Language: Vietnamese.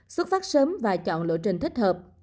xuất phát sớm và chọn lộ trình thích hợp